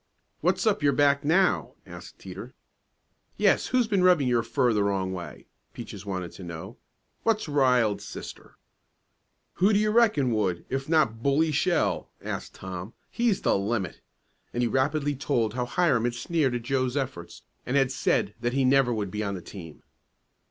"What's up your back now?" asked Teeter. "Yes, who's been rubbing your fur the wrong way?" Peaches wanted to know. "What's riled Sister?" "Who do you reckon would, if not Bully Shell?" asked Tom. "He's the limit," and he rapidly told how Hiram had sneered at Joe's efforts, and had said that he never would be on the team.